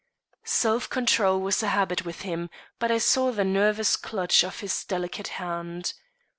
Self control was a habit with him, but I saw the nervous clutch of his delicate hand.